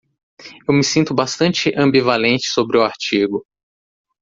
Eu me sinto bastante ambivalente sobre o artigo.